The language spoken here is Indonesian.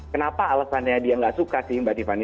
kenapa alasannya dia nggak suka sih mbak tiffany